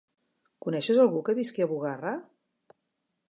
Coneixes algú que visqui a Bugarra?